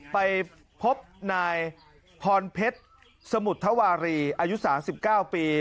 ไปพบนายพรเพชรสมุทวารีอายุ๓๙ปี